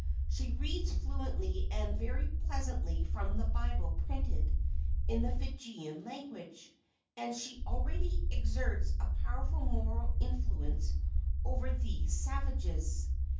She reads fluently and very pleasantly from the Bible printed in the Fijian language, and she already exerts a powerful moral influence over these savages.